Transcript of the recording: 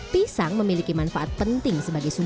pisang memiliki manfaat penting untuk menjaga kesehatan